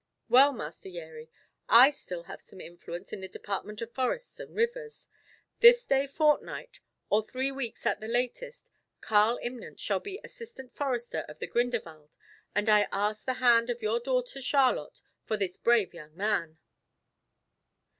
"Well, Master Yeri, I still have some influence in the Department of Forests and Rivers. This day fortnight, or three weeks at the latest, Karl Imnant shall be Assistant Forester of the Grinderwald, and I ask the hand of your daughter Charlotte for this brave young man."